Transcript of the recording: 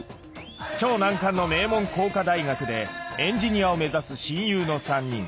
超難関の名門工科大学でエンジニアを目指す親友の３人。